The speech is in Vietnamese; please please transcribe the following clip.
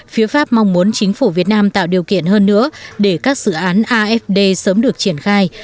phía pháp mong muốn chính phủ việt nam tạo điều kiện hơn nữa để các dự án afd sớm được triển khai